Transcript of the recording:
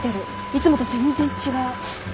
いつもと全然違う。